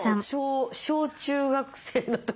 小中学生の時に。